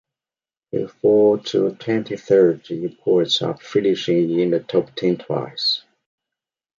He fell to twenty-third in points after finishing in the top ten twice.